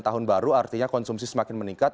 tahun baru artinya konsumsi semakin meningkat